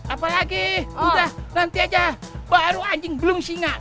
apalagi udah nanti aja baru anjing belum singa